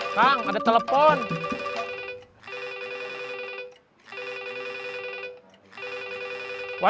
aku pernah regang kayak